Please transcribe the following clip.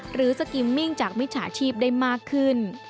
สกิมมิ่งจากมิจฉาชีพได้มากขึ้น